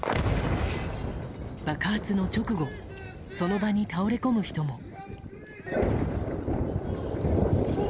爆発の直後その場に倒れ込む人も。